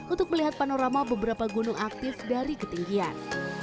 untuk melihat panorama beberapa gunung aktif dari ketinggian